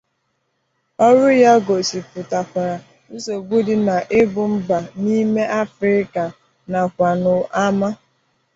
Ọrụ ya gosipụtakwara nsogbu di na ibụ mba n'ime Afrika nakwa n'ama.